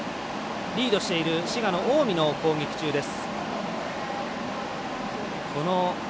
リードしている滋賀の近江の攻撃中です。